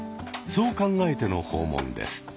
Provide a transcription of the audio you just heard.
そう考えての訪問です。